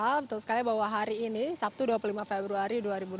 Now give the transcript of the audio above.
ya betul sekali bahwa hari ini sabtu dua puluh lima februari dua ribu dua puluh